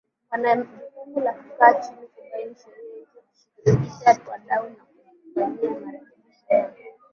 wana jukumu la kukaa chini kubaini sheria hizi kushirikisha wadau na kuzifanyia marekebisho ya